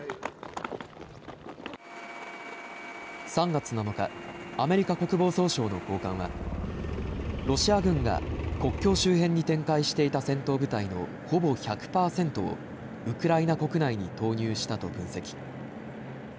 ３月７日、アメリカ国防総省の高官は、ロシア軍が国境周辺に展開していた戦闘部隊のほぼ１００％を、ウクライナ国内に投入したと分析。